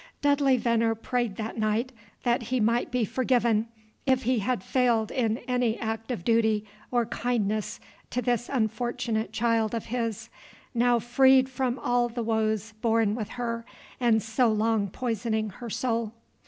Dudley Venner prayed that night that he might be forgiven, if he had failed in any act of duty or kindness to this unfortunate child of his, now freed from all the woes born with her and so long poisoning her soul.